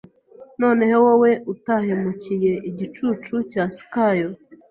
Noneho wowe utahemukiye igicucu cya Sikayo